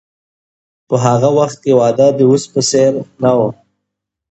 په هغه وخت کې واده د اوس په څیر نه و.